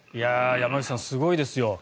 山口さん、すごいですよ。